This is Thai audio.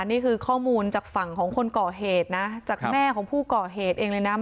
นี่คือข้อมูลจากฝั่งของคนก่อเหตุนะจากแม่ของผู้ก่อเหตุเองเลยนะ